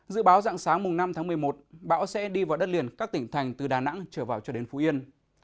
dự báo dạng sáng năm tháng một mươi một bão sẽ đi vào đất liền các tỉnh thành từ đà nẵng trở vào cho đến phú yên